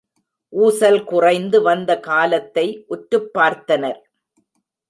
ஊசல் குறைந்து வந்த காலத்தை உற்றுப்பார்த்தனர்.